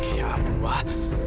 ya ampun wah